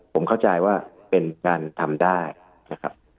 ผมเข้าใจว่าเป็นการทำได้นะครับ